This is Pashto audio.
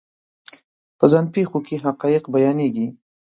په ځان پېښو کې حقایق بیانېږي.